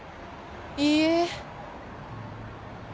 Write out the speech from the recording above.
いいえ。